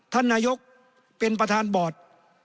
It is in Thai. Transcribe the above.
ท่านนายกเป็นประธานบอร์ด